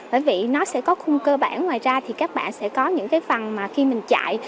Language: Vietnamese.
bởi vì nó sẽ có khung cơ bản ngoài ra thì các bạn sẽ có những cái phần mà khi mình chạy